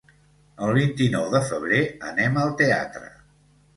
El vint-i-nou de febrer anem al teatre.